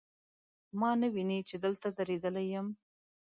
ما نه ویني، چې دلته دریدلی یم